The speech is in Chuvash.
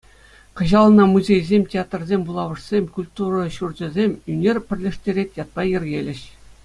Кӑҫал ӑна музейсем, театрсем, вулавӑшсем, культура ҫурчӗсем «Ӳнер пӗрлештерет» ятпа йӗркелӗҫ.